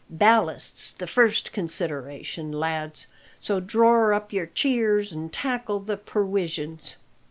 Ballast's the first consideration, lads; so dror up your cheers an' tackle the perwisions."